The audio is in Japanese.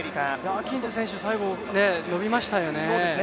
アキンズ選手、最後伸びましたよね。